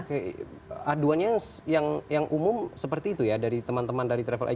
oke aduannya yang umum seperti itu ya dari teman teman dari travel ac